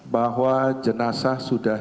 bahwa jenazah sudah